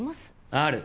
ある。